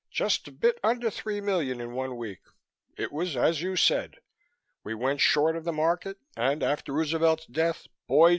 "Just a bit under three million in one week. It was as you said. We went short of the market and after Roosevelt's death, boy!